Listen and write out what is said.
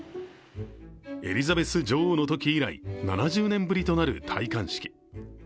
エリザベス女王のとき以来、７０年ぶりとなる戴冠式。